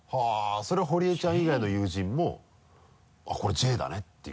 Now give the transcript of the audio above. それは堀江ちゃん以外の友人も「これＪだね」っていう？